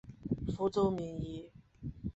福州名医。